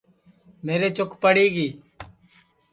میرے چُک پڑوڑی ہے